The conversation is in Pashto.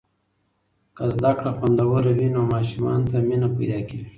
که زده کړه خوندوره وي، نو ماشومانو ته مینه پیدا کیږي.